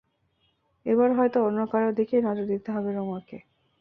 এবার হয়তো অন্য কারও দিকেই নজর দিতে হবে রোমাকে।